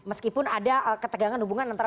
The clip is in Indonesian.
meskipun ada ketegangan hubungan antara